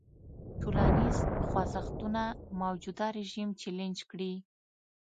ټولنیز خوځښتونه موجوده رژیم چلنج کړي.